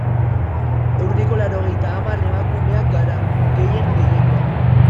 Ehuneko laurogeita hamar emakumeak gara, gehien gehiengoa.